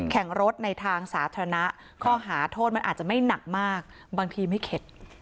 แข่งรถในทางสาธารณะข้อหาโทษมันอาจจะไม่หนักมากบางทีไม่เข็ด